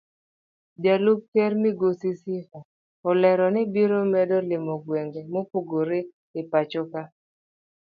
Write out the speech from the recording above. Jalup ker migosi Sifa olero ni obiro medo limo gwenge mopogore epachoka.